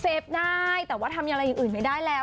เซ็ดได้แต่ทำอย่างอื่นไม่ได้แล้ว